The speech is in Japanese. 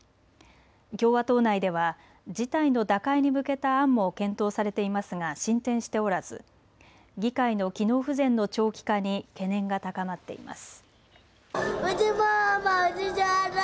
共和党内では事態の打開に向けた案も検討されていますが進展しておらず、議会の機能不全の長期化に懸念が高まっています。